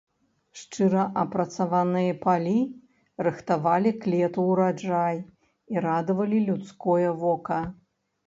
Шчыра апрацаваныя палі рыхтавалі к лету ўраджай і радавалі людское вока.